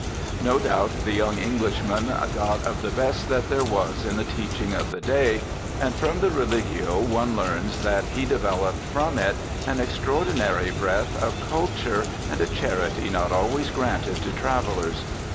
No doubt the young Englishman got of the best that there was in the teaching of the day, and from the Religio one learns that he developed from it an extraordinary breadth of culture, and a charity not always granted to travellers.